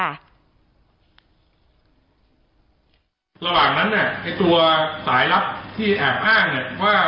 ระหว่างนั้นเนี่ยไอ้ตัวสายลับที่แอบอ้างเนี่ยว่า